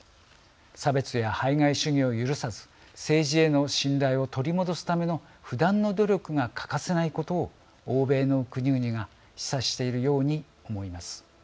差別や排外主義を許さず政治への信頼を取り戻すための不断の努力が欠かせないことを欧米の国々が示唆しているように思います。